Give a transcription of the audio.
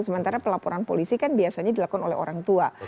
sementara pelaporan polisi kan biasanya dilakukan oleh orang tua